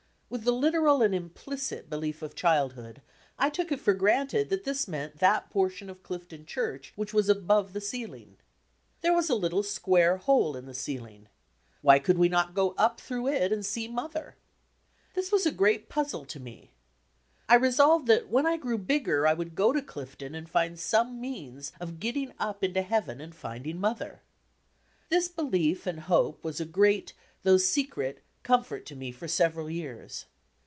With the literal and implicit belief of childhood , I took it for granted that this meant that portion of Oifton Church which was above the ceiling. There was a little square hole in the ceiling. Why could we not go up through it and see Mother? This was a great puzzle to me. I resolved that when I grew bigger I would go to Clifton and find some means of getting up into Heaven and finding Mother. This belief and hope was a great, though secret, comfort to me for several years.